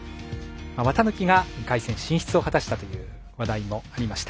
綿貫が２回戦進出を果たしたという話題もありました。